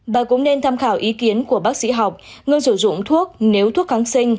bạn cũng nên tham khảo ý kiến của bác sĩ học ngừng sử dụng thuốc nếu thuốc kháng sinh